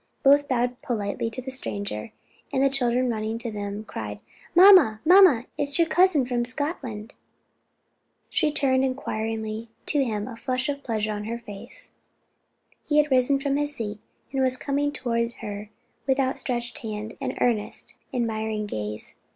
Both bowed politely to the stranger, and the children running to them cried, "Mamma, mamma, it is your cousin from Scotland." She turned inquiringly to him, a flush of pleasure on her face. He had risen from his seat, and was coming toward her with outstretched hand and earnest, admiring gaze.